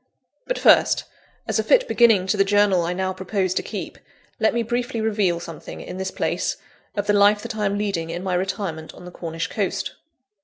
But, first, as a fit beginning to the Journal I now propose to keep, let me briefly reveal something, in this place, of the life that I am leading in my retirement on the Cornish coast.